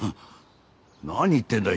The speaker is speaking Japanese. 何言ってんだ